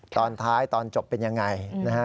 ตอนท้ายตอนจบเป็นยังไงนะฮะ